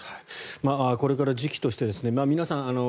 これから時期として皆さん